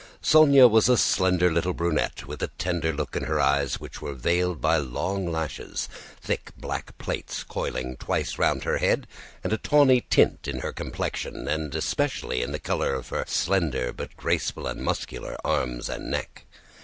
Sónya was a slender little brunette with a tender look in her eyes which were veiled by long lashes, thick black plaits coiling twice round her head, and a tawny tint in her complexion and especially in the color of her slender but graceful and muscular arms and neck.